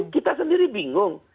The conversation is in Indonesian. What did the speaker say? kita sendiri bingung